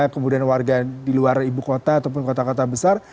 kemudian warga di luar ibu kota ataupun kota kota besar